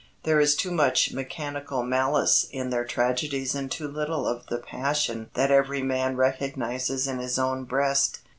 There is too much mechanical malice in their tragedies and too little of the passion that every man recognizes in his own breast.